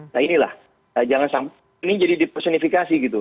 nah inilah jangan sampai ini jadi dipersonifikasi gitu